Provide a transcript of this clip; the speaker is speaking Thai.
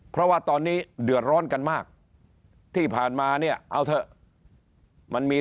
เพราะว่าตอนนี้เดือดร้อนกันมากที่ผ่านมาเนี่ยเอาเถอะมันมี